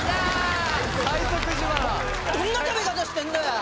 どんな食べ方してんだよ！